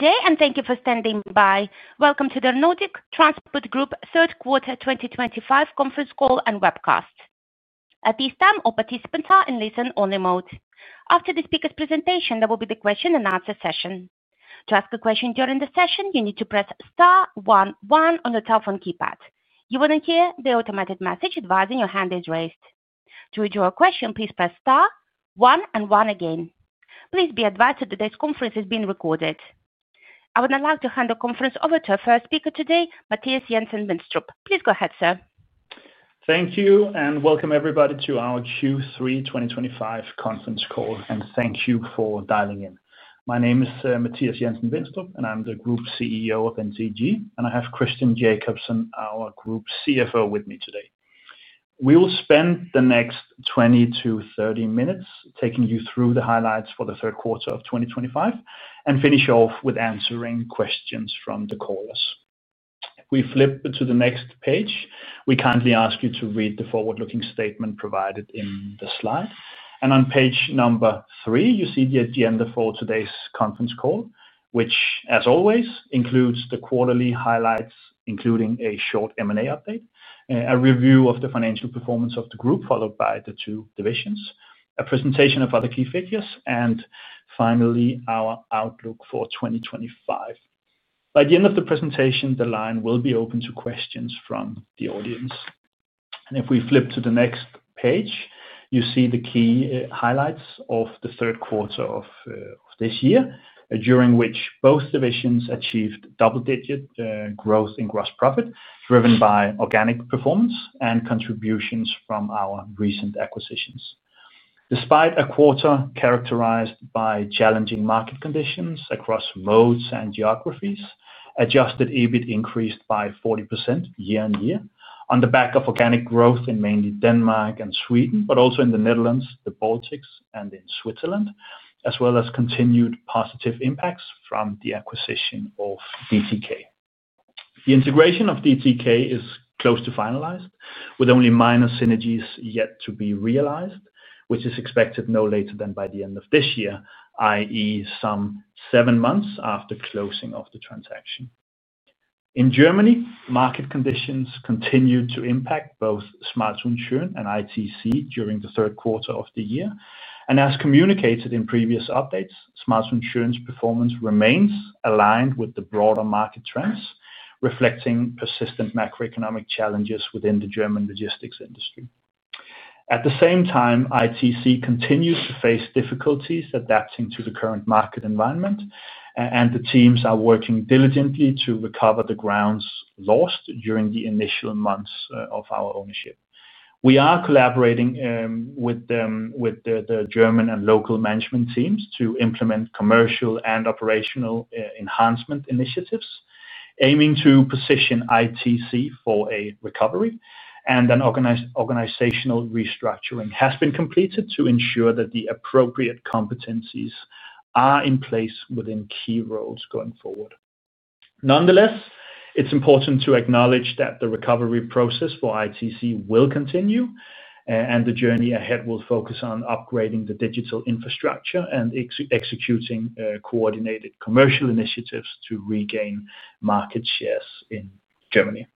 Today, and thank you for standing by. Welcome to the Nordic Transport Group third quarter 2025 conference call and webcast. At this time, all participants are in listen-only mode. After the speaker's presentation, there will be the question-and-answer session. To ask a question during the session, you need to press stat one one on your telephone keypad. You will then hear the automated message advising your hand is raised. To withdraw a question, please press star one and one again. Please be advised that today's conference is being recorded. I would now like to hand the conference over to our first speaker today, Mathias Jensen-Vinstrup. Please go ahead, sir. Thank you, and welcome everybody to our Q3 2025 conference call, and thank you for dialing in. My name is Mathias Jensen-Vinstrup, and I'm the Group CEO of NTG, and I have Christian Jakobsen, our Group CFO, with me today. We will spend the next 20 minutes-30 minutes taking you through the highlights for the third quarter of 2025 and finish off with answering questions from the callers. If we flip to the next page, we kindly ask you to read the forward-looking statement provided in the slide. On page number three, you see the agenda for today's conference call, which, as always, includes the quarterly highlights, including a short M&A update, a review of the financial performance of the group, followed by the two divisions, a presentation of other key figures, and finally, our outlook for 2025. By the end of the presentation, the line will be open to questions from the audience. If we flip to the next page, you see the key highlights of the third quarter of this year, during which both divisions achieved double-digit growth in gross profit, driven by organic performance and contributions from our recent acquisitions. Despite a quarter characterized by challenging market conditions across modes and geographies, adjusted EBIT increased by 40% year-on-year on the back of organic growth in mainly Denmark and Sweden, but also in the Netherlands, the Baltics, and in Switzerland, as well as continued positive impacts from the acquisition of DTK. The integration of DTK is close to finalized, with only minor synergies yet to be realized, which is expected no later than by the end of this year, that is, some seven months after closing of the transaction. In Germany, market conditions continued to impact both Schmalz+Schön and ITC during the third quarter of the year. As communicated in previous updates, Schmalz+Schön's performance remains aligned with the broader market trends, reflecting persistent macroeconomic challenges within the German logistics industry. At the same time, ITC continues to face difficulties adapting to the current market environment, and the teams are working diligently to recover the grounds lost during the initial months of our ownership. We are collaborating with the German and local management teams to implement commercial and operational enhancement initiatives, aiming to position ITC for a recovery. An organizational restructuring has been completed to ensure that the appropriate competencies are in place within key roles going forward. Nonetheless, it's important to acknowledge that the recovery process for ITC will continue, and the journey ahead will focus on upgrading the digital infrastructure and executing coordinated commercial initiatives to regain market shares in Germany.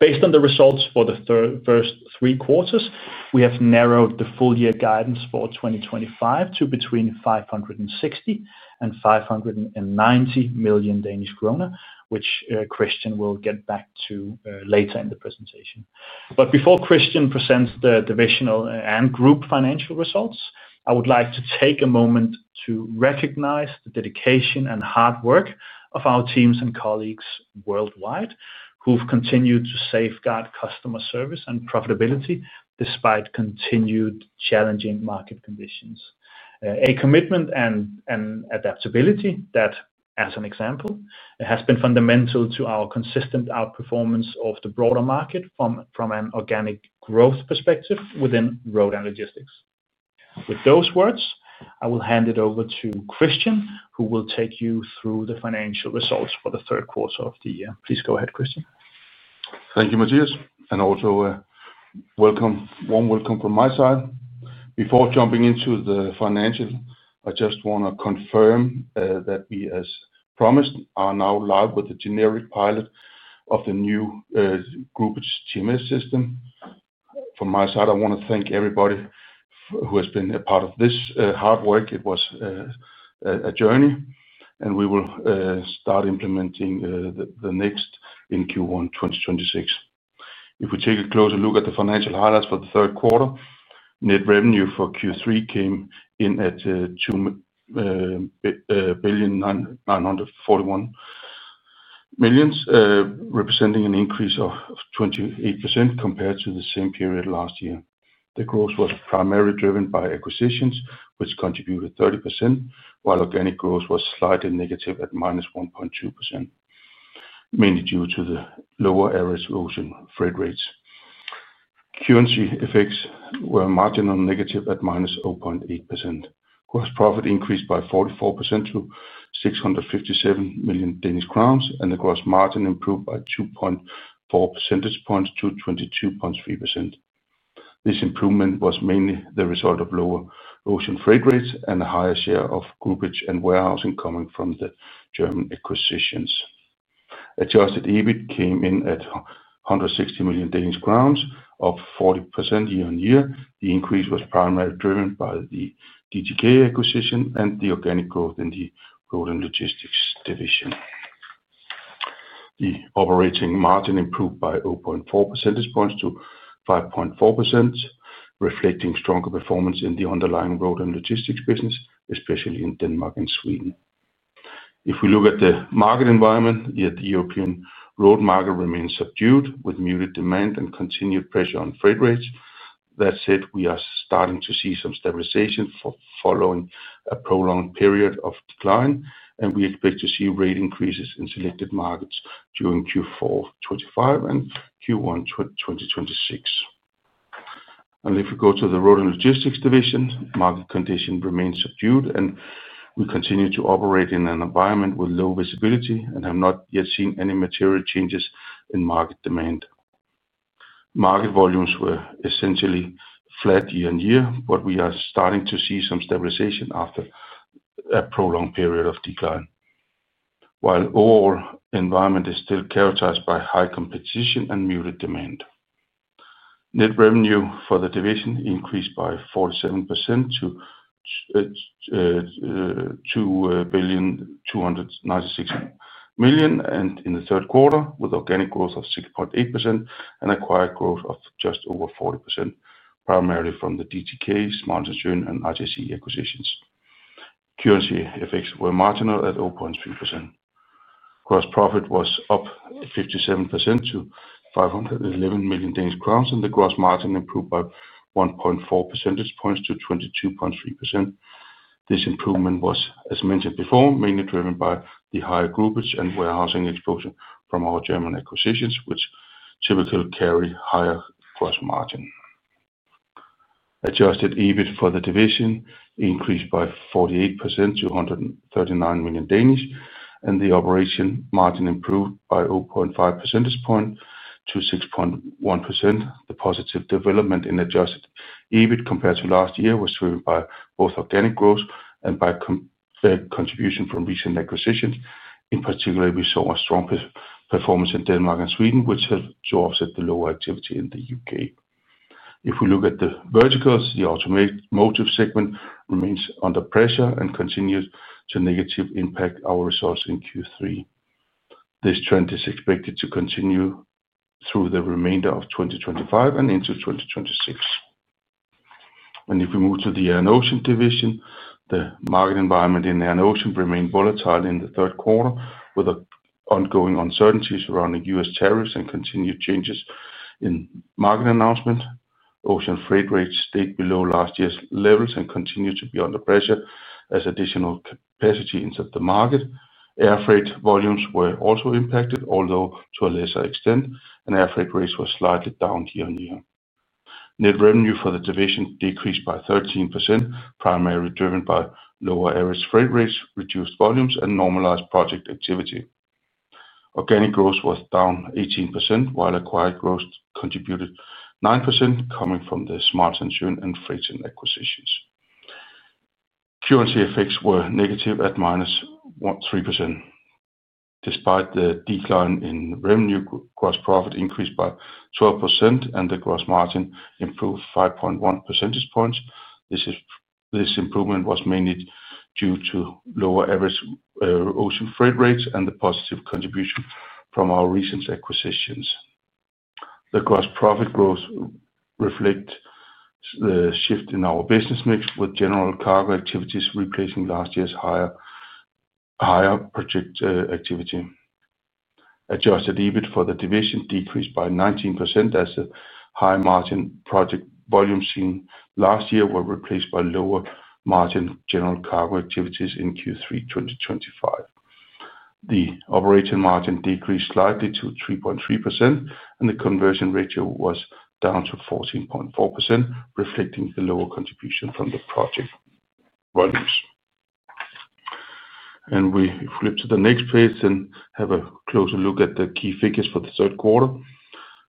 Based on the results for the first three quarters, we have narrowed the full-year guidance for 2025 to between 560 million and 590 million Danish kroner, which Christian will get back to later in the presentation. Before Christian presents the divisional and group financial results, I would like to take a moment to recognize the dedication and hard work of our teams and colleagues worldwide who've continued to safeguard customer service and profitability despite continued challenging market conditions. A commitment and adaptability that, as an example, has been fundamental to our consistent outperformance of the broader market from an organic growth perspective within road and logistics. With those words, I will hand it over to Christian, who will take you through the financial results for the third quarter of the year. Please go ahead, Christian. Thank you, Mathias, and also a warm welcome from my side. Before jumping into the financial, I just want to confirm that we, as promised, are now live with the generic pilot of the new groupage system. From my side, I want to thank everybody who has been a part of this hard work. It was a journey, and we will start implementing the next in Q1 2026. If we take a closer look at the financial highlights for the third quarter, net revenue for Q3 came in at 2.941 billion representing an increase of 28% compared to the same period last year. The growth was primarily driven by acquisitions, which contributed 30%, while organic growth was slightly negative at -1.2%, mainly due to the lower average Ocean freight rates. Currency effects were marginally negative at -0.8%. Gross profit increased by 44% to 657 million Danish crowns, and the gross margin improved by 2.4 percentage points to 22.3%. This improvement was mainly the result of lower Ocean freight rates and a higher share of groupage and warehousing coming from the German acquisitions. Adjusted EBIT came in at 160 million Danish crowns, up 40% year-on-year. The increase was primarily driven by the DTK acquisition and the organic growth in the road and logistics division. The operating margin improved by 0.4 percentage points to 5.4%, reflecting stronger performance in the underlying road and logistics business, especially in Denmark and Sweden. If we look at the market environment, the European road market remains subdued with muted demand and continued pressure on freight rates. That said, we are starting to see some stabilization following a prolonged period of decline, and we expect to see rate increases in selected markets during Q4 2025 and Q1 2026. If we go to the road and logistics division, market condition remains subdued, and we continue to operate in an environment with low visibility and have not yet seen any material changes in market demand. Market volumes were essentially flat year-on-year, but we are starting to see some stabilization after a prolonged period of decline, while the overall environment is still characterized by high competition and muted demand. Net revenue for the division increased by 47% to 2.296 billion in the third quarter, with organic growth of 6.8% and acquired growth of just over 40%, primarily from the DTK, Schmalz+Schön, and ITC acquisitions. Currency effects were marginal at 0.3%. Gross profit was up 57% to 511 million Danish crowns, and the gross margin improved by 1.4 percentage points to 22.3%. This improvement was, as mentioned before, mainly driven by the higher groupage and warehousing exposure from our German acquisitions, which typically carry higher gross margin. Adjusted EBIT for the division increased by 48% to 139 million, and the operating margin improved by 0.5 percentage points to 6.1%. The positive development in adjusted EBIT compared to last year was driven by both organic growth and by contribution from recent acquisitions. In particular, we saw a strong performance in Denmark and Sweden, which has dropped at the lower activity in the U.K. If we look at the verticals, the automotive segment remains under pressure and continues to negatively impact our results in Q3. This trend is expected to continue through the remainder of 2025 and into 2026. If we move to the air and Ocean division, the market environment in air and Ocean remained volatile in the third quarter, with ongoing uncertainties surrounding U.S. tariffs and continued changes in market announcements. Ocean freight rates stayed below last year's levels and continued to be under pressure as additional capacity entered the market. Air freight volumes were also impacted, although to a lesser extent, and air freight rates were slightly down year-on-year. Net revenue for the division decreased by 13%, primarily driven by lower average freight rates, reduced volumes, and normalized project activity. Organic growth was down 18%, while acquired growth contributed 9%, coming from the Schmalz+Schön and Freighting acquisitions. Currency effects were negative at -3%. Despite the decline in revenue, gross profit increased by 12%, and the gross margin improved 5.1 percentage points. This improvement was mainly due to lower average Ocean freight rates and the positive contribution from our recent acquisitions. The gross profit growth reflects the shift in our business mix, with general cargo activities replacing last year's higher project activity. Adjusted EBIT for the division decreased by 19%, as the high margin project volumes seen last year were replaced by lower margin general cargo activities in Q3 2025. The operating margin decreased slightly to 3.3%, and the conversion ratio was down to 14.4%, reflecting the lower contribution from the project volumes. We flip to the next page and have a closer look at the key figures for the third quarter.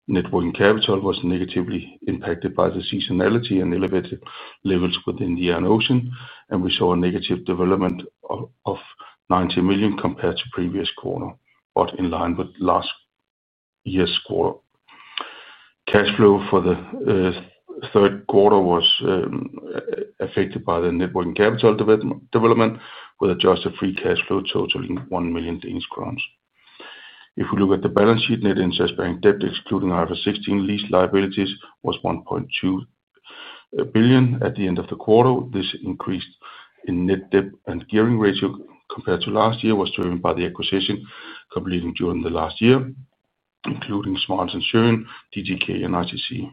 Net working capital was negatively impacted by the seasonality and elevated levels within the air and Ocean, and we saw a negative development of 90 million compared to the previous quarter, but in line with last year's quarter. Cash flow for the third quarter was affected by the net working capital development, with adjusted free cash flow totaling 1 million Danish crowns. If we look at the balance sheet, net interest-bearing debt, excluding IFRS 16 leased liabilities, was 1.2 billion at the end of the quarter. This increase in net debt and gearing ratio compared to last year was driven by the acquisition completed during the last year, including Schmalz+Schön, DTK, and ITC.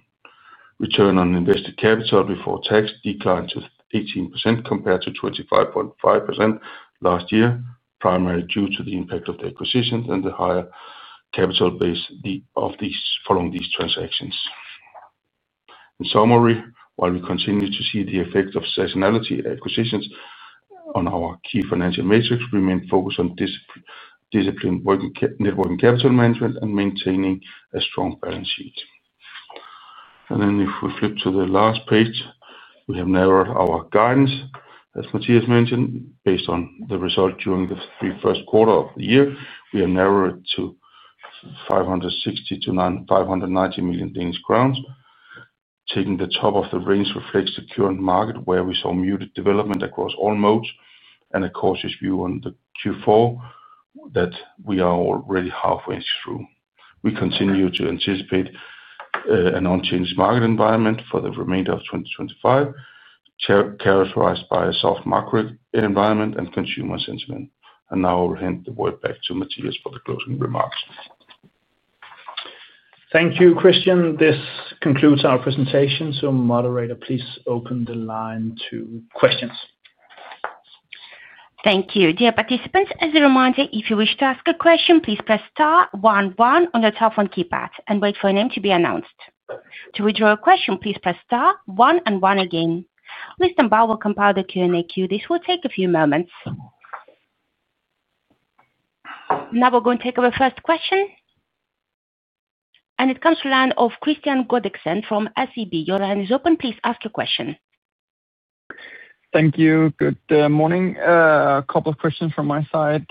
Return on invested capital before tax declined to 18% compared to 25.5% last year, primarily due to the impact of the acquisitions and the higher capital base of these following these transactions. In summary, while we continue to see the effect of seasonality and acquisitions on our key financial metrics, we remain focused on disciplined net working capital management and maintaining a strong balance sheet. If we flip to the last page, we have narrowed our guidance, as Mathias mentioned, based on the result during the first quarter of the year. We have narrowed it to 560 million-590 million Danish crowns. Taking the top of the range reflects the current market, where we saw muted development across all modes. A cautious view on Q4 that we are already halfway through. We continue to anticipate an unchanged market environment for the remainder of 2025, characterized by a soft macro environment and consumer sentiment. I will hand the word back to Mathias for the closing remarks. Thank you, Christian. This concludes our presentation. Moderator, please open the line to questions. Thank you. Dear participants, as a reminder, if you wish to ask a question, please press star one ono on the top of the keypad and wait for your name to be announced. To withdraw a question, please press star one and one again. Listen while we compile the Q&A queue. This will take a few moments. Now we are going to take our first question. It comes from the line of Kristian Godiksen from SEB. Your line is open. Please ask your question. Thank you. Good morning. A couple of questions from my side.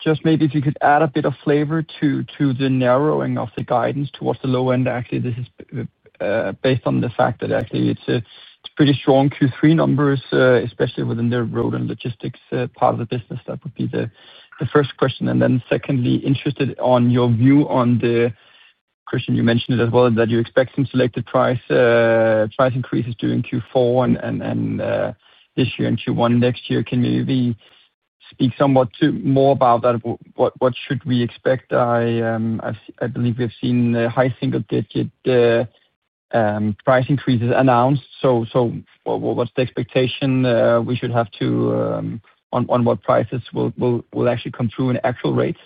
Just maybe if you could add a bit of flavor to the narrowing of the guidance towards the low end, actually, this is based on the fact that actually it's a pretty strong Q3 numbers, especially within the road and logistics part of the business. That would be the first question. Secondly, interested on your view on the question you mentioned as well, that you expect some selected price increases during Q4 and this year and Q1 next year. Can you maybe speak somewhat more about that? What should we expect? I believe we've seen high single-digit price increases announced. What's the expectation we should have on what prices will actually come through in actual rates?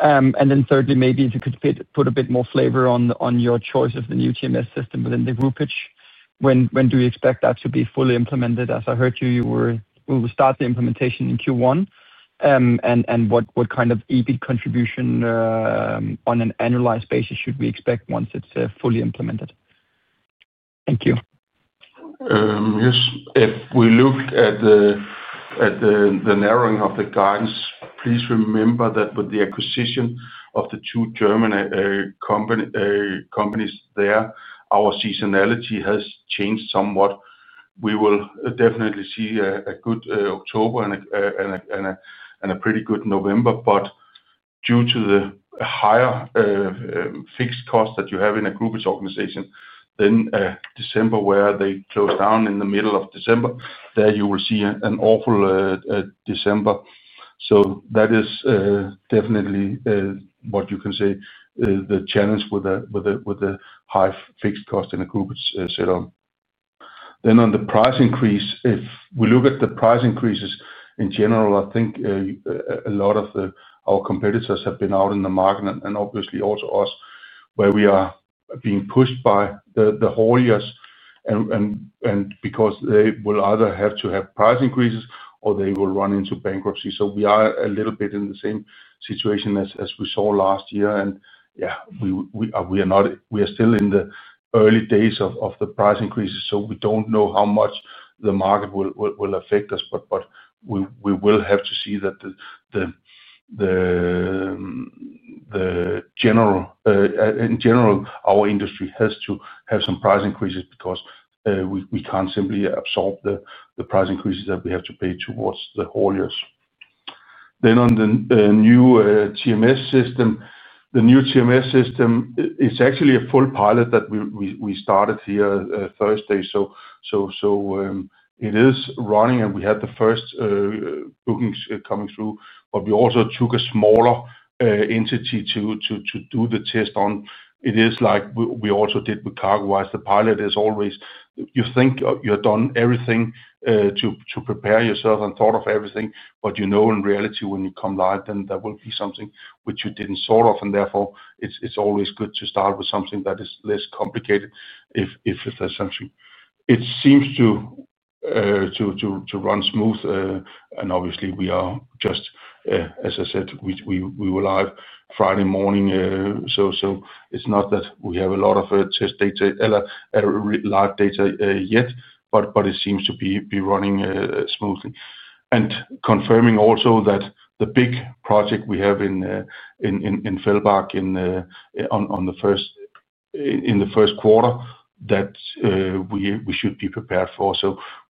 Thirdly, maybe if you could put a bit more flavor on your choice of the new GMS system within the groupage, when do you expect that to be fully implemented? As I heard you, you will start the implementation in Q1. What kind of EBIT contribution on an annualized basis should we expect once it is fully implemented? Thank you. Yes. If we look at the narrowing of the guidance, please remember that with the acquisition of the two German companies there, our seasonality has changed somewhat. We will definitely see a good October and a pretty good November. Due to the higher fixed costs that you have in a groupage organization, December, where they close down in the middle of December, you will see an awful December. That is definitely what you can say, the challenge with the high fixed cost in a groupage setup. On the price increase, if we look at the price increases in general, I think a lot of our competitors have been out in the market, and obviously also us, where we are being pushed by the whole years. Because they will either have to have price increases or they will run into bankruptcy. We are a little bit in the same situation as we saw last year. Yeah, we are still in the early days of the price increases. We do not know how much the market will affect us, but we will have to see. In general, our industry has to have some price increases because we cannot simply absorb the price increases that we have to pay towards the whole year. On the new TMS system, the new TMS system, it is actually a full pilot that we started here Thursday. It is running, and we had the first bookings coming through. We also took a smaller entity to do the test on. It is like we also did with CargoWise. The pilot is always you think you've done everything to prepare yourself and thought of everything, but you know in reality when you come live, then there will be something which you didn't sort of. Therefore, it's always good to start with something that is less complicated if there's something. It seems to run smooth. Obviously, we are just, as I said, we were live Friday morning. It's not that we have a lot of test data or live data yet, but it seems to be running smoothly. Confirming also that the big project we have in Fellbach on the first quarter that we should be prepared for.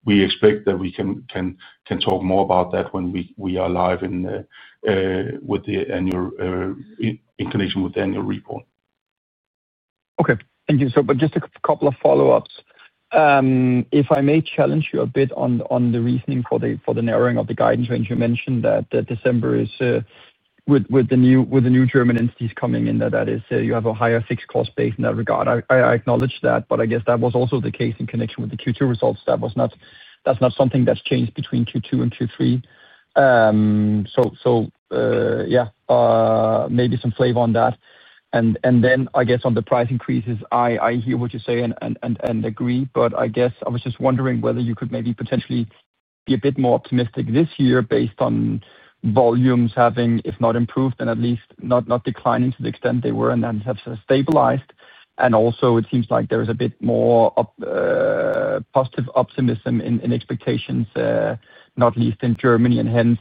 We expect that we can talk more about that when we are live with the annual in connection with the annual report. Okay. Thank you. Just a couple of follow-ups. If I may challenge you a bit on the reasoning for the narrowing of the guidance, when you mentioned that December is with the new German entities coming in, that is, you have a higher fixed cost base in that regard. I acknowledge that, but I guess that was also the case in connection with the Q2 results. That is not something that has changed between Q2 and Q3. Maybe some flavor on that. I guess on the price increases, I hear what you say and agree, but I was just wondering whether you could maybe potentially be a bit more optimistic this year based on volumes having, if not improved, then at least not declining to the extent they were and have stabilized. It seems like there is a bit more positive optimism in expectations, not least in Germany. Hence,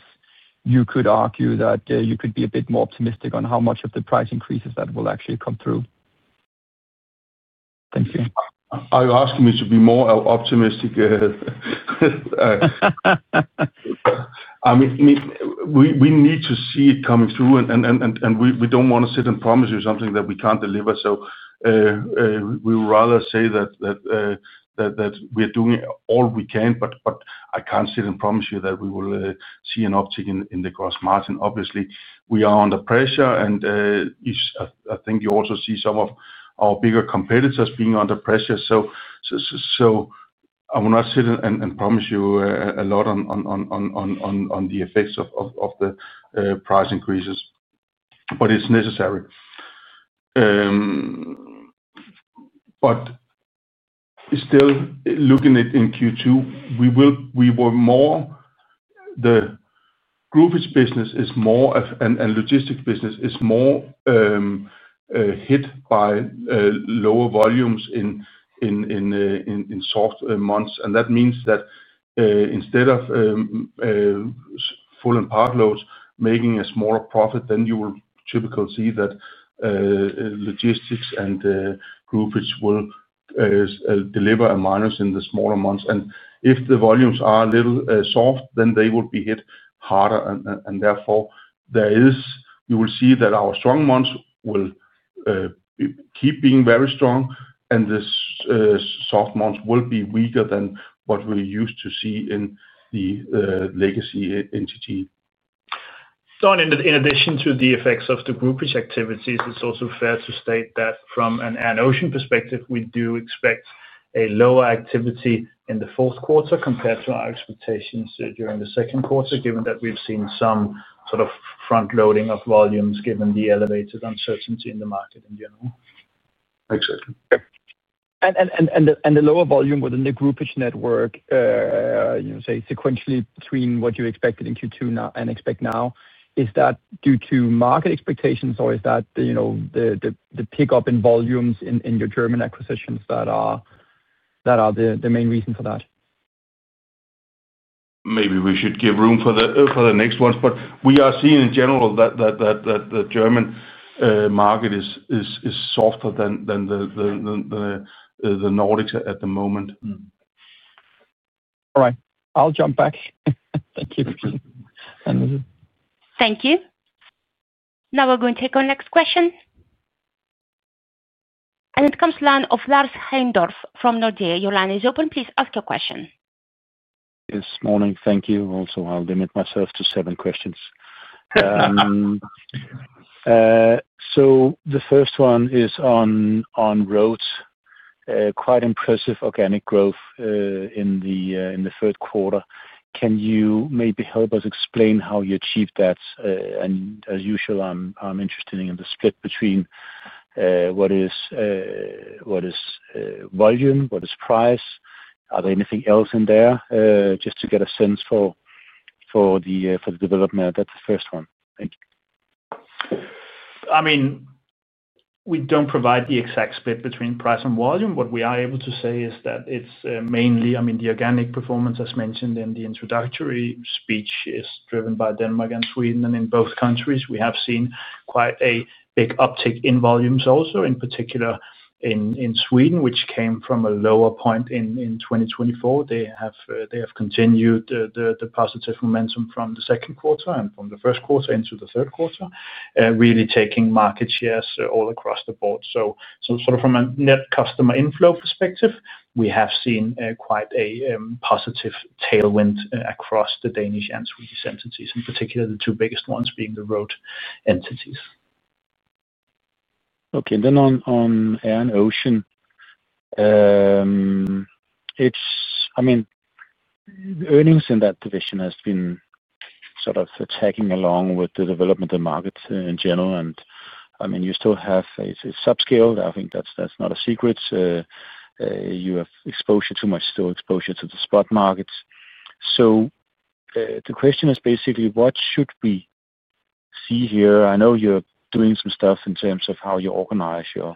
you could argue that you could be a bit more optimistic on how much of the price increases that will actually come through. Thank you. Are you asking me to be more optimistic? I mean, we need to see it coming through, and we do not want to sit and promise you something that we cannot deliver. We would rather say that we are doing all we can, but I cannot sit and promise you that we will see an uptick in the gross margin. Obviously, we are under pressure, and I think you also see some of our bigger competitors being under pressure. I will not sit and promise you a lot on the effects of the price increases, but it is necessary. Still, looking at Q2, the groupage business is more and logistics business is more hit by lower volumes in soft months. That means that instead of full and part loads making a smaller profit, you will typically see that logistics and groupage will deliver a minus in the smaller months. If the volumes are a little soft, they will be hit harder. Therefore, you will see that our strong months will keep being very strong, and the soft months will be weaker than what we are used to see in the legacy entity. In addition to the effects of the groupage activities, it's also fair to state that from an Ocean perspective, we do expect a lower activity in the fourth quarter compared to our expectations during the second quarter, given that we've seen some sort of front-loading of volumes given the elevated uncertainty in the market in general. Exactly. The lower volume within the groupage network, say, sequentially between what you expected in Q2 and expect now, is that due to market expectations, or is that the pickup in volumes in your German acquisitions that are the main reason for that? Maybe we should give room for the next ones, but we are seeing in general that the German market is softer than the Nordics at the moment. All right. I'll jump back. Thank you. Thank you. Now we're going to take our next question. It comes to the line of Lars Heindorff from Nordea. Your line is open. Please ask your question. Yes. Morning. Thank you. Also, I'll limit myself to seven questions. The first one is on roads. Quite impressive organic growth in the third quarter. Can you maybe help us explain how you achieved that? As usual, I'm interested in the split between what is volume, what is price, are there anything else in there just to get a sense for the development? That's the first one. Thank you. I mean, we do not provide the exact split between price and volume. What we are able to say is that it is mainly, I mean, the organic performance as mentioned in the introductory speech is driven by Denmark and Sweden. In both countries, we have seen quite a big uptick in volumes also, in particular in Sweden, which came from a lower point in 2024. They have continued the positive momentum from the second quarter and from the first quarter into the third quarter, really taking market shares all across the board. From a net customer inflow perspective, we have seen quite a positive tailwind across the Danish and Swedish entities, in particular the two biggest ones being the road entities. Okay. On Ocean, I mean, the earnings in that division have been sort of tagging along with the development of markets in general. I mean, you still have a subscale. I think that's not a secret. You have exposure, too much, still exposure to the spot markets. The question is basically, what should we see here? I know you're doing some stuff in terms of how you organize your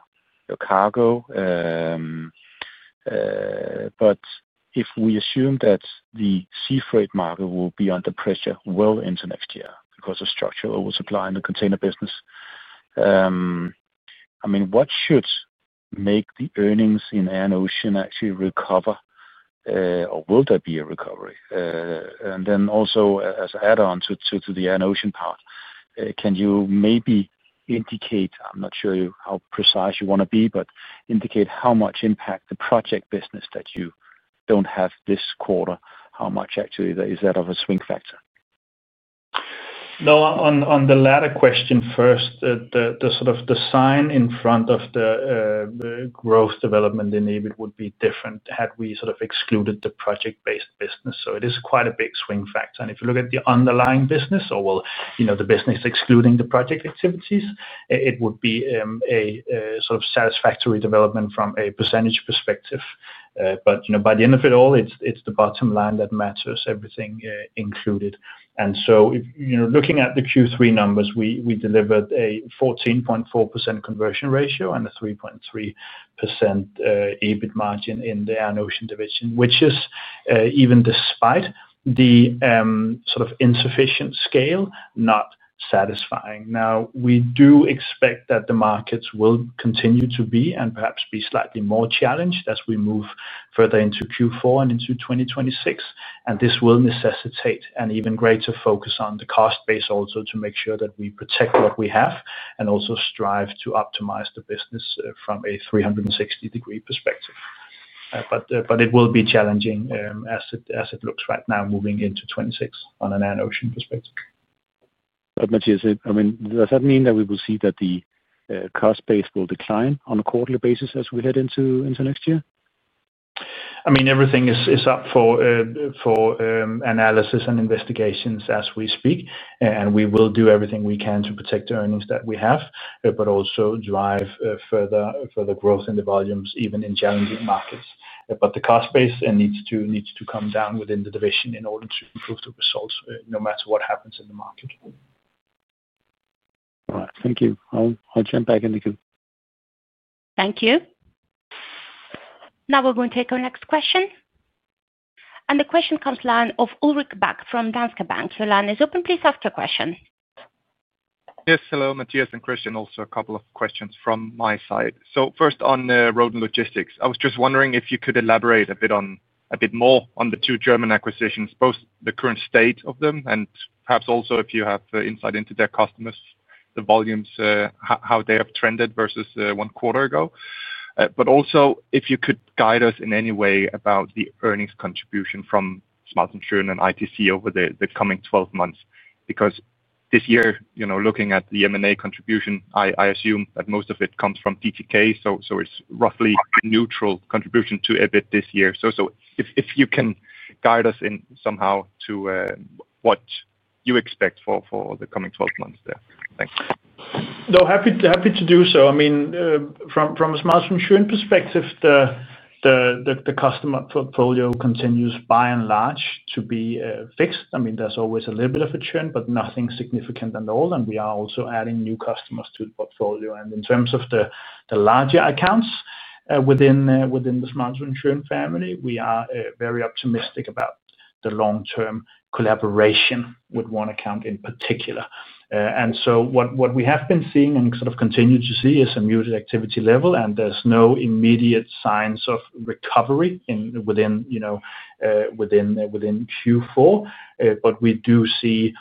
cargo, but if we assume that the sea freight market will be under pressure well into next year because of structural oversupply in the container business, I mean, what should make the earnings in Ocean actually recover? Or will there be a recovery? Also, as an add-on to the Ocean part, can you maybe indicate—I am not sure how precise you want to be—but indicate how much impact the project business that you do not have this quarter, how much actually is that of a swing factor? No. On the latter question first, the sort of the sign in front of the growth development in EBIT would be different had we sort of excluded the project-based business. It is quite a big swing factor. If you look at the underlying business or the business excluding the project activities, it would be a sort of satisfactory development from a percentage perspective. By the end of it all, it is the bottom line that matters, everything included. Looking at the Q3 numbers, we delivered a 14.4% conversion ratio and a 3.3% EBIT margin in the Ocean division, which is, even despite the sort of insufficient scale, not satisfying. We do expect that the markets will continue to be and perhaps be slightly more challenged as we move further into Q4 and into 2026. This will necessitate an even greater focus on the cost base also to make sure that we protect what we have and also strive to optimize the business from a 360-degree perspective. It will be challenging as it looks right now moving into 2026 on an Ocean perspective. Mathias, I mean, does that mean that we will see that the cost base will decline on a quarterly basis as we head into next year? I mean, everything is up for analysis and investigations as we speak. We will do everything we can to protect the earnings that we have, but also drive further growth in the volumes even in challenging markets. The cost base needs to come down within the division in order to improve the results no matter what happens in the market. All right. Thank you. I'll jump back in again. Thank you. Now we are going to take our next question. The question comes to the line of Ulrik Bak from Danske Bank. Your line is open. Please ask your question. Yes. Hello, Mathias and Christian. Also, a couple of questions from my side. First on road and logistics, I was just wondering if you could elaborate a bit more on the two German acquisitions, both the current state of them and perhaps also if you have insight into their customers, the volumes, how they have trended versus one quarter ago. Also, if you could guide us in any way about the earnings contribution from Schmalz+Schön and ITC over the coming 12 months. Because this year, looking at the M&A contribution, I assume that most of it comes from DTK. It is roughly neutral contribution to EBIT this year. If you can guide us in somehow to what you expect for the coming 12 months there. Thanks. No, happy to do so. I mean, from a Smart Insurance perspective, the customer portfolio continues by and large to be fixed. I mean, there's always a little bit of a churn, but nothing significant at all. We are also adding new customers to the portfolio. In terms of the larger accounts within the Smart Insurance family, we are very optimistic about the long-term collaboration with one account in particular. What we have been seeing and sort of continue to see is a muted activity level, and there's no immediate signs of recovery within Q4. We do see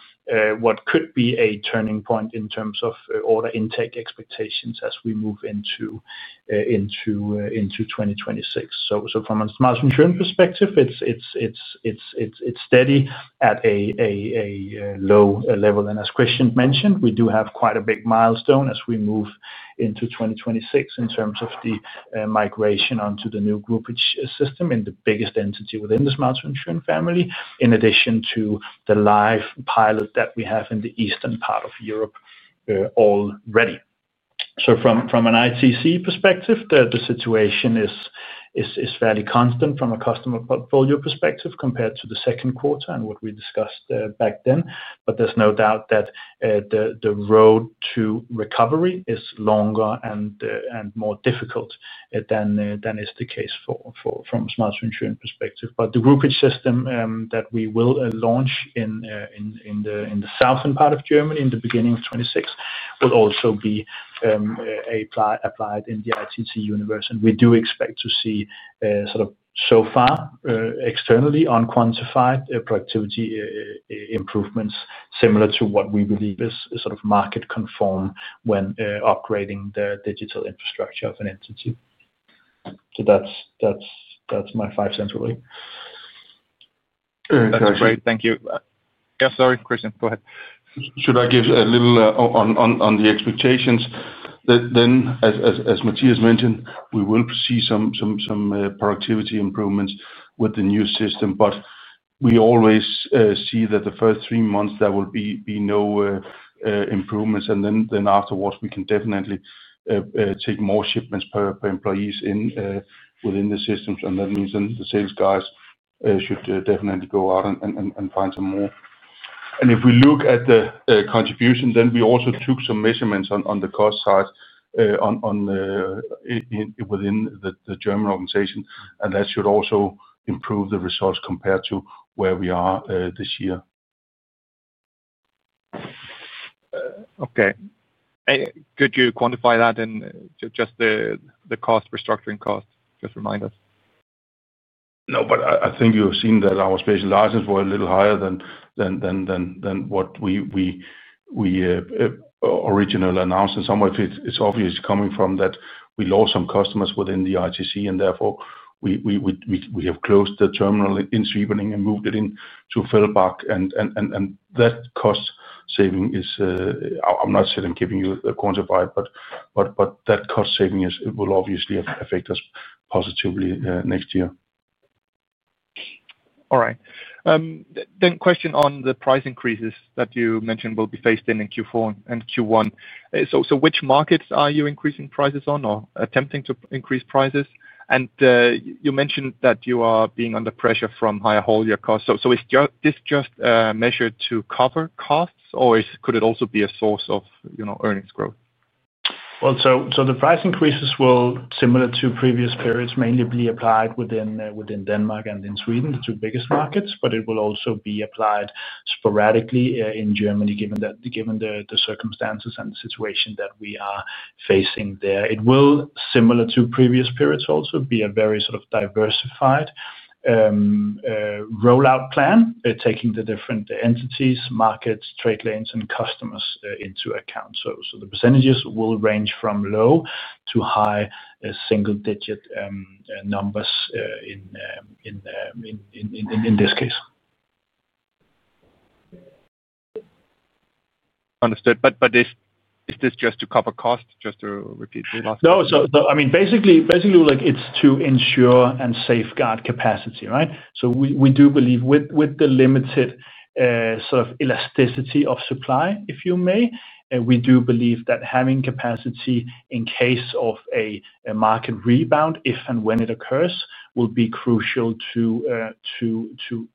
what could be a turning point in terms of order intake expectations as we move into 2026. From a Smart Insurance perspective, it's steady at a low level. As Christian mentioned, we do have quite a big milestone as we move into 2026 in terms of the migration onto the new groupage system in the biggest entity within the Schmalz+Schön family, in addition to the live pilot that we have in the eastern part of Europe already. From an ITC perspective, the situation is fairly constant from a customer portfolio perspective compared to the second quarter and what we discussed back then. There is no doubt that the road to recovery is longer and more difficult than is the case from a Schmalz+Schön perspective. The groupage system that we will launch in the southern part of Germany in the beginning of 2026 will also be applied in the ITC universe. We do expect to see sort of so far externally unquantified productivity improvements similar to what we believe is sort of market-conform when upgrading the digital infrastructure of an entity. That is my five cents, Ulrik. That's great. Thank you. Yeah. Sorry, Christian. Go ahead. Should I give a little on the expectations? As Mathias mentioned, we will see some productivity improvements with the new system. We always see that the first three months, there will be no improvements. Afterward, we can definitely take more shipments per employees within the systems. That means the sales guys should definitely go out and find some more. If we look at the contribution, we also took some measurements on the cost side within the German organization. That should also improve the results compared to where we are this year. Okay. Could you quantify that in just the restructuring cost? Just remind us. No, but I think you have seen that our special license were a little higher than what we originally announced. Somewhat, it's obviously coming from that we lost some customers within the ITC. Therefore, we have closed the terminal in Sweden and moved it into Fellbach. That cost saving is, I'm not sure I'm giving you a quantified, but that cost saving will obviously affect us positively next year. All right. Question on the price increases that you mentioned will be faced in Q4 and Q1. Which markets are you increasing prices on or attempting to increase prices? You mentioned that you are being under pressure from higher haulier costs. Is this just a measure to cover costs, or could it also be a source of earnings growth? The price increases will, similar to previous periods, mainly be applied within Denmark and in Sweden, the two biggest markets. It will also be applied sporadically in Germany given the circumstances and the situation that we are facing there. It will, similar to previous periods, also be a very sort of diversified rollout plan, taking the different entities, markets, trade lanes, and customers into account. The percentages will range from low to high single-digit numbers in this case. Understood. Is this just to cover cost, just to repeat? No. I mean, basically, Ulrik, it is to ensure and safeguard capacity, right? We do believe with the limited sort of elasticity of supply, if you may, we do believe that having capacity in case of a market rebound, if and when it occurs, will be crucial to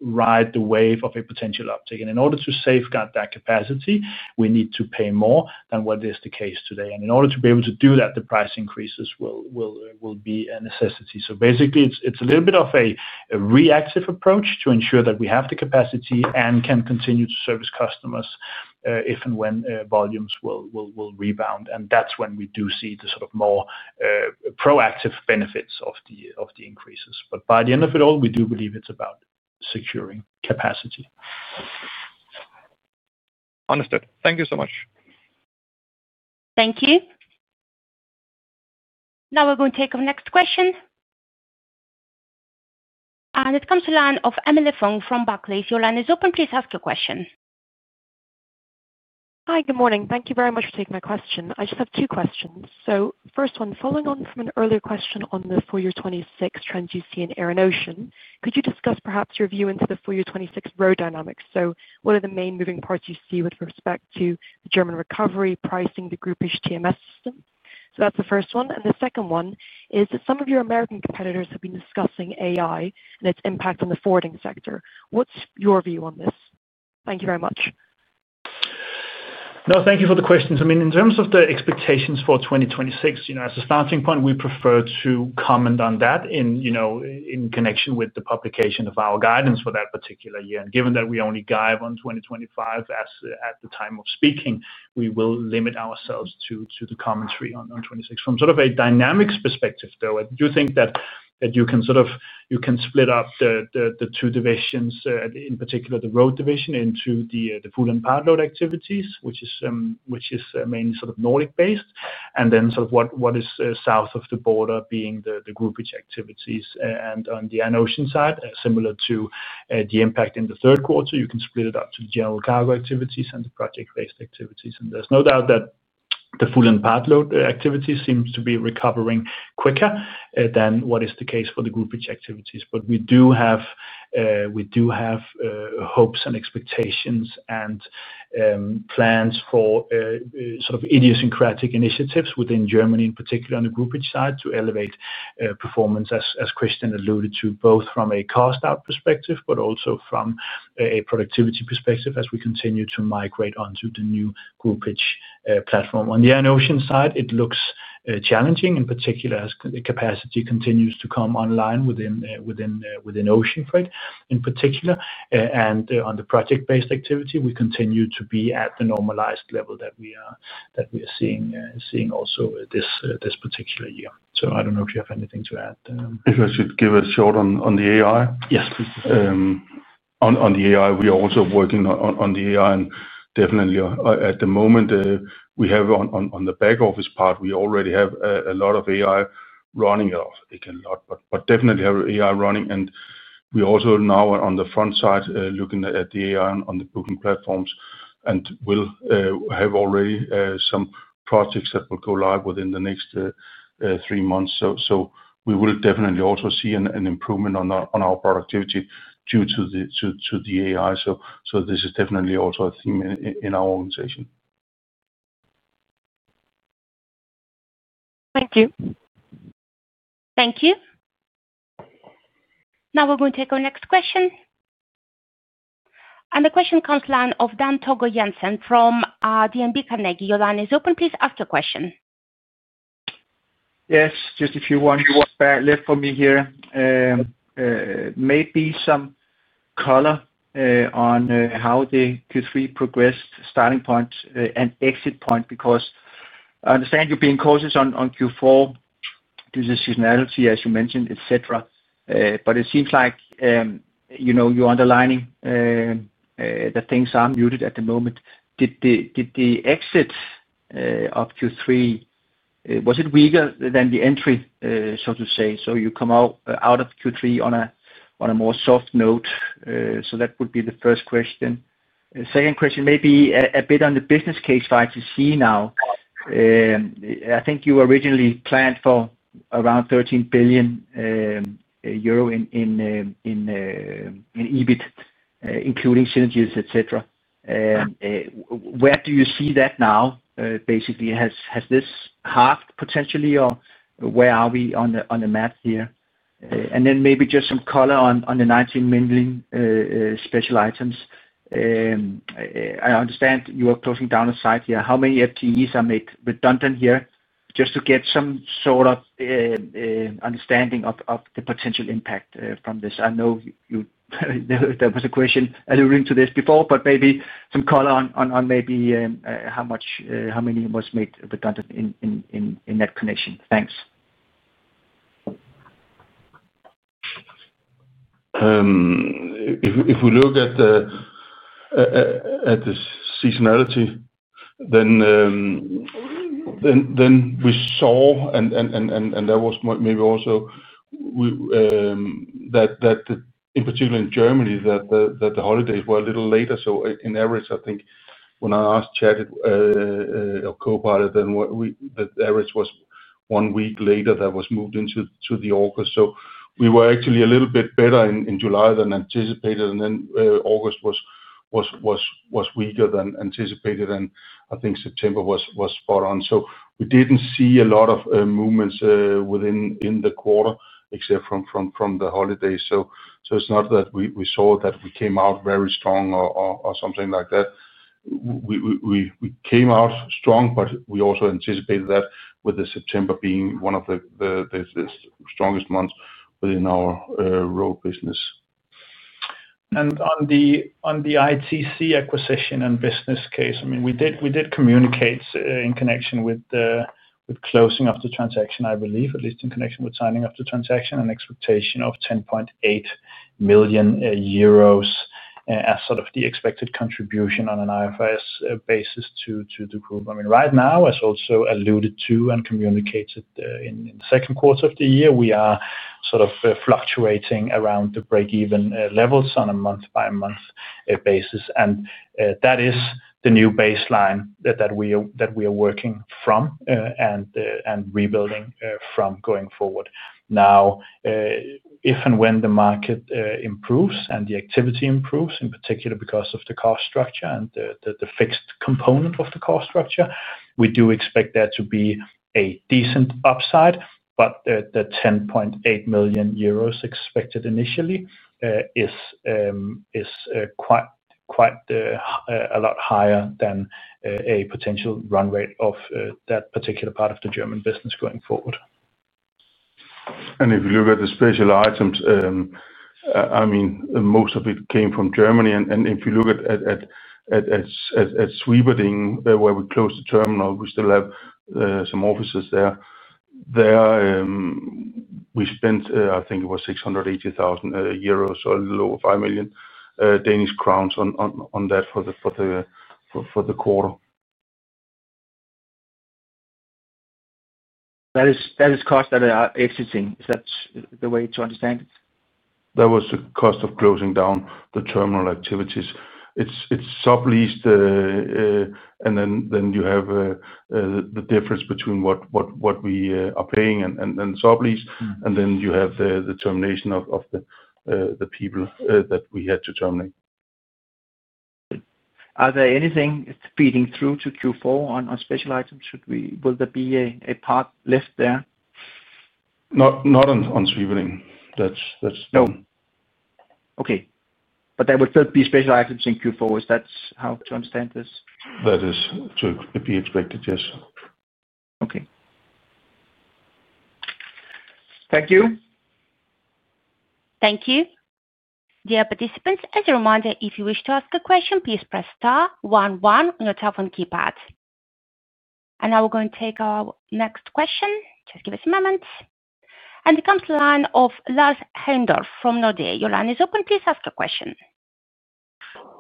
ride the wave of a potential uptake. In order to safeguard that capacity, we need to pay more than what is the case today. In order to be able to do that, the price increases will be a necessity. Basically, it is a little bit of a reactive approach to ensure that we have the capacity and can continue to service customers if and when volumes will rebound. That is when we do see the sort of more proactive benefits of the increases. By the end of it all, we do believe it is about securing capacity. Understood. Thank you so much. Thank you. Now we're going to take our next question. It comes to the line of Emily Fong from Barclays. Your line is open. Please ask your question. Hi. Good morning. Thank you very much for taking my question. I just have two questions. First, following on from an earlier question on the full-year 2026 trends you see in Air and Ocean, could you discuss perhaps your view into the full-year 2026 road dynamics? What are the main moving parts you see with respect to the German recovery, pricing, the groupage TMS system? That is the first one. The second one is that some of your American competitors have been discussing AI and its impact on the forwarding sector. What is your view on this? Thank you very much. No, thank you for the questions. I mean, in terms of the expectations for 2026, as a starting point, we prefer to comment on that in connection with the publication of our guidance for that particular year. Given that we only guide on 2025 at the time of speaking, we will limit ourselves to the commentary on 2026. From sort of a dynamics perspective, though, I do think that you can sort of split up the two divisions, in particular the road division into the full and part load activities, which is mainly sort of Nordic-based. Then sort of what is south of the border being the groupage activities. On the Ocean side, similar to the impact in the third quarter, you can split it up to the general cargo activities and the project-based activities. There is no doubt that the full and part load activities seem to be recovering quicker than what is the case for the groupage activities. We do have hopes and expectations and plans for sort of idiosyncratic initiatives within Germany, in particular on the groupage side, to elevate performance, as Christian alluded to, both from a cost-out perspective but also from a productivity perspective as we continue to migrate onto the new groupage platform. On the Ocean side, it looks challenging, in particular as the capacity continues to come online within Ocean freight in particular. On the project-based activity, we continue to be at the normalized level that we are seeing also this particular year. I do not know if you have anything to add. If I should give a short on the AI? Yes, please. On the AI, we are also working on the AI. At the moment, we have on the back office part, we already have a lot of AI running. It can lot, but definitely have AI running. We also now are on the front side looking at the AI on the booking platforms and will have already some projects that will go live within the next three months. We will definitely also see an improvement on our productivity due to the AI. This is definitely also a theme in our organization. Thank you. Thank you. Now we're going to take our next question. The question comes to the line of Dan Togo Jensen from DNB Carnegie. Your line is open. Please ask your question. Yes. Just a few ones left for me here. Maybe some color on how the Q3 progressed, starting point and exit point. Because I understand you're being cautious on Q4 due to seasonality, as you mentioned, etc. It seems like you're underlining that things are muted at the moment. Did the exit of Q3, was it weaker than the entry, so to say? You come out of Q3 on a more soft note. That would be the first question. Second question, maybe a bit on the business case for ITC now. I think you originally planned for around 13 million euro in EBIT, including synergies, etc. Where do you see that now? Basically, has this halved potentially, or where are we on the map here? Then maybe just some color on the 19 main special items. I understand you are closing down a site here. How many FTEs are made redundant here? Just to get some sort of understanding of the potential impact from this. I know there was a question alluding to this before, but maybe some color on maybe how many were made redundant in that connection. Thanks. If we look at the seasonality, then we saw, and that was maybe also that in particular in Germany, that the holidays were a little later. In average, I think when I asked Chat or co-pilot, then the average was one week later that was moved into August. We were actually a little bit better in July than anticipated. August was weaker than anticipated. I think September was spot on. We did not see a lot of movements within the quarter except from the holidays. It is not that we saw that we came out very strong or something like that. We came out strong, but we also anticipated that with September being one of the strongest months within our road business. On the ITC acquisition and business case, I mean, we did communicate in connection with closing of the transaction, I believe, at least in connection with signing of the transaction, an expectation of 10.8 million euros as sort of the expected contribution on an IFRS basis to the group. I mean, right now, as also alluded to and communicated in the second quarter of the year, we are sort of fluctuating around the break-even levels on a month-by-month basis. That is the new baseline that we are working from and rebuilding from going forward. Now, if and when the market improves and the activity improves, in particular because of the cost structure and the fixed component of the cost structure, we do expect there to be a decent upside. The 10.8 million euros expected initially is quite a lot higher than a potential run rate of that particular part of the German business going forward. If you look at the special items, I mean, most of it came from Germany. If you look at Sweden, where we closed the terminal, we still have some offices there. There we spent, I think it was 680,000 euros, so a little over 5 million Danish crowns on that for the quarter. That is cost that are exiting. Is that the way to understand it? That was the cost of closing down the terminal activities. It is subleased, and then you have the difference between what we are paying and subleased. Then you have the termination of the people that we had to terminate. Are there anything feeding through to Q4 on special items? Will there be a part left there? Not on Sweden. That's the. Okay. But there would still be special items in Q4? Is that how to understand this? That is to be expected, yes. Okay. Thank you. Thank you. Dear participants, as a reminder, if you wish to ask a question, please press star 11 on your telephone keypad. Now we're going to take our next question. Just give us a moment. It comes to the line of Lars Heindorff from Nordea. Your line is open. Please ask a question.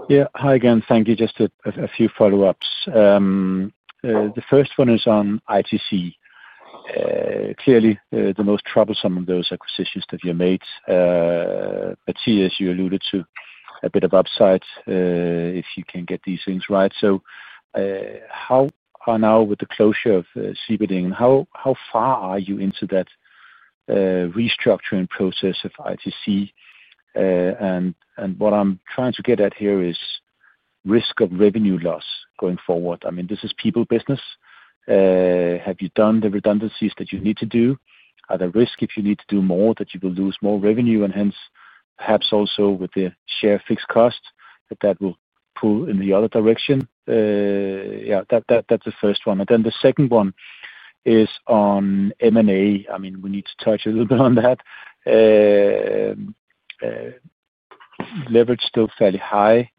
Yeah. Hi again. Thank you. Just a few follow-ups. The first one is on ITC. Clearly, the most troublesome of those acquisitions that you made. But see, as you alluded to, a bit of upside if you can get these things right. How are you now with the closure of Sweden? How far are you into that restructuring process of ITC? What I'm trying to get at here is risk of revenue loss going forward. I mean, this is people business. Have you done the redundancies that you need to do? Are there risks if you need to do more that you will lose more revenue? And hence, perhaps also with the share fixed cost, that that will pull in the other direction. Yeah, that's the first one. The second one is on M&A. I mean, we need to touch a little bit on that. Leverage still fairly high.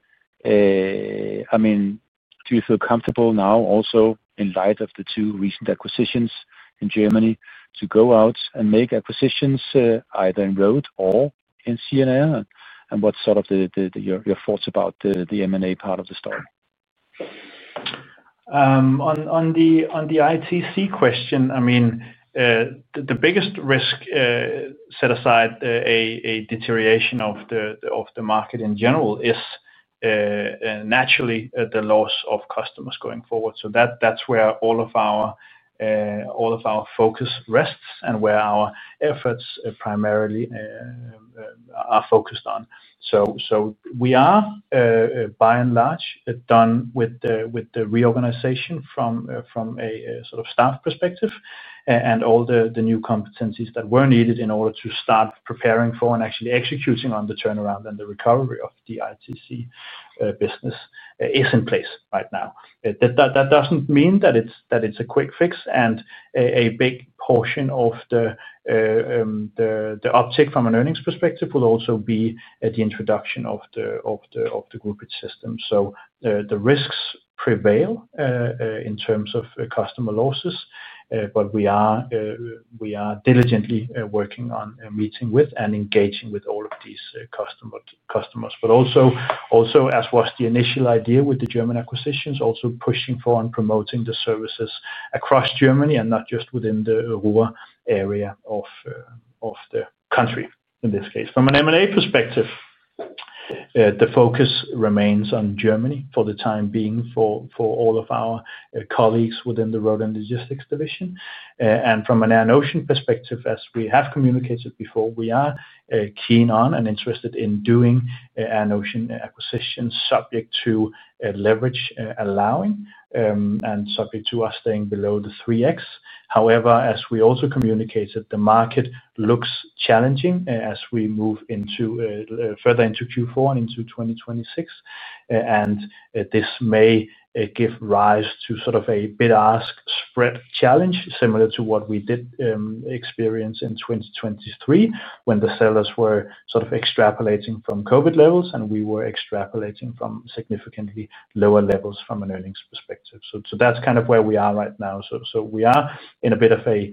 I mean, do you feel comfortable now, also in light of the two recent acquisitions in Germany, to go out and make acquisitions either in road or in CNL? What's sort of your thoughts about the M&A part of the story? On the ITC question, I mean, the biggest risk set aside a deterioration of the market in general is naturally the loss of customers going forward. That's where all of our focus rests and where our efforts primarily are focused on. We are, by and large, done with the reorganization from a sort of staff perspective and all the new competencies that were needed in order to start preparing for and actually executing on the turnaround and the recovery of the ITC business is in place right now. That doesn't mean that it's a quick fix. A big portion of the uptick from an earnings perspective will also be at the introduction of the groupage system. The risks prevail in terms of customer losses, but we are diligently working on meeting with and engaging with all of these customers. Also, as was the initial idea with the German acquisitions, we are pushing for and promoting the services across Germany and not just within the Ruhr area of the country in this case. From an M&A perspective, the focus remains on Germany for the time being for all of our colleagues within the road and logistics division. From an air and Ocean perspective, as we have communicated before, we are keen on and interested in doing air and Ocean acquisitions subject to leverage allowing and subject to us staying below the 3x. However, as we also communicated, the market looks challenging as we move further into Q4 and into 2026. This may give rise to sort of a bid-ask spread challenge similar to what we did experience in 2023 when the sellers were sort of extrapolating from COVID levels and we were extrapolating from significantly lower levels from an earnings perspective. That is kind of where we are right now. We are in a bit of a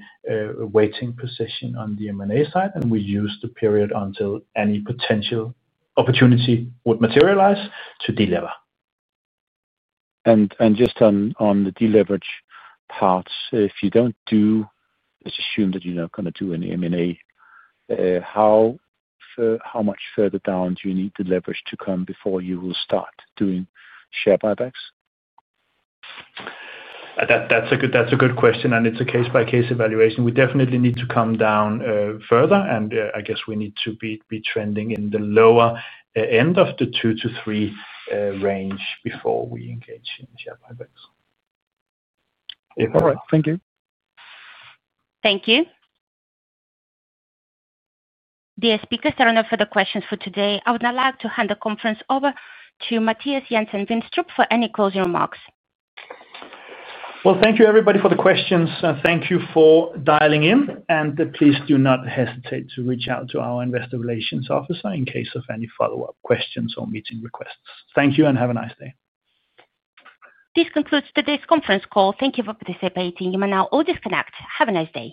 waiting position on the M&A side, and we use the period until any potential opportunity would materialize to deliver. Just on the deleverage part, if you do not do, let's assume that you are not going to do any M&A, how much further down do you need the leverage to come before you will start doing share buybacks? That's a good question, and it's a case-by-case evaluation. We definitely need to come down further, and I guess we need to be trending in the lower end of the 2-3 range before we engage in share buybacks. All right. Thank you. Thank you. The speakers are done for the questions for today. I would now like to hand the conference over to Mathias Jensen-Vinstrup for any closing remarks. Thank you, everybody, for the questions. Thank you for dialing in. Please do not hesitate to reach out to our investor relations officer in case of any follow-up questions or meeting requests. Thank you and have a nice day. This concludes today's conference call. Thank you for participating. You may now all disconnect. Have a nice day.